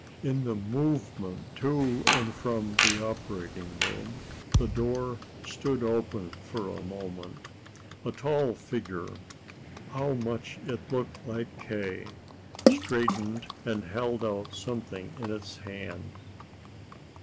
In the movement to and from the operating room, the door stood open for a moment. A tall figure how much it looked like K.! straightened and held out something in its hand.